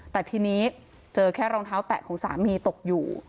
แต่ทีนี้เจอแค่รองเท้าแตะของสามีตกอยู่